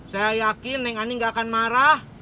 saya yakin yang ini gak akan marah